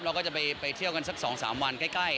เราก็จะไปเที่ยวกันสัก๒๓วันใกล้